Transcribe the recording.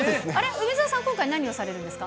梅澤さんは今回、何をされるんですか？